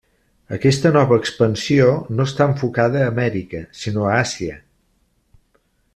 Aquesta nova expansió no està enfocada a Amèrica, sinó a Àsia.